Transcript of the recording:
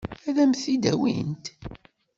Ad m-t-id-awint?